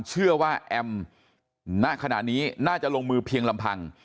เชื่อว่าแอมณขณะนี้น่าจะลงมือเพียงลำพัง